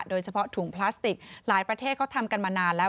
โดยเฉพาะถุงพลาสติกหลายประเทศเขาทำกันมานานแล้ว